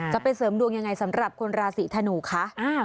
จะไปเสริมดวงยังไงสำหรับคนราศีธนูคะ